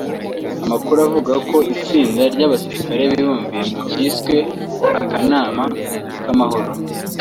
Amakuru avuga ko itsinda ry’abasirikare bibumbiye mu cyiswe ‘akanama k’amahoro’